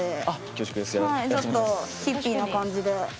ちょっとヒッピーな感じで。